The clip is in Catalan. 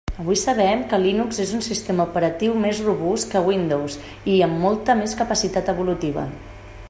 Avui sabem que Linux és un sistema operatiu més robust que Windows i amb molta més capacitat evolutiva.